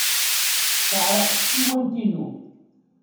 Teɛreq tsiwant-inu.